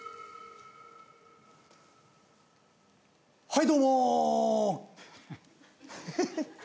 はいどうも！